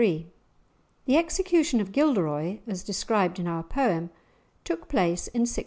The execution of Gilderoy, as described in our poem, took place in 1638.